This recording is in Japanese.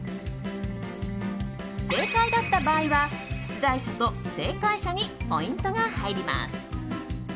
正解だった場合は出題者と正解者にポイントが入ります。